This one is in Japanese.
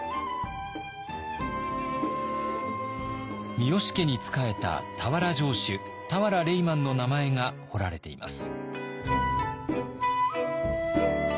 三好家に仕えた田原城主田原レイマンの名前が彫られています。